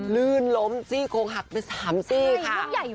ลื่นล้มซี่โครงหักไป๓ซี่ค่ะ